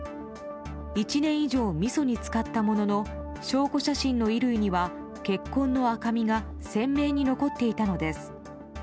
１年以上、みそに浸かったものの証拠写真の衣類には血痕の赤みが鮮明に残っていたのです。